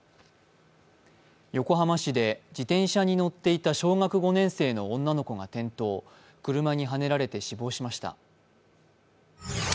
横浜市で自転車に乗っていた小学５年生の女の子が転倒車にはねられて死亡しました。